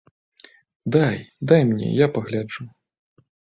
Дай, дай мне, я пагляджу.